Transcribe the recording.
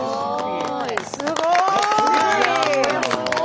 すごい！